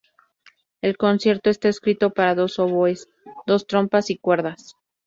El concierto está escrito para dos oboes, dos trompas y cuerdas.